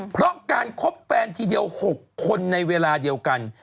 เพราะการคบแฟนทีเดียว๖คนในเวลาเดียวกัน